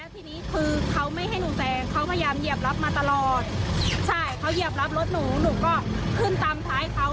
ทีนี้คือเขาไม่ให้หนูแซงเขาพยายามเหยียบรับมาตลอดใช่เขาเหยียบรับรถหนูหนูก็ขึ้นตามท้ายเขา